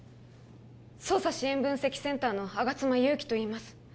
捜査支援分析センターの吾妻ゆうきといいます